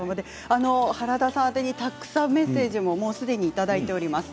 あてにたくさんメッセージすでにいただいています。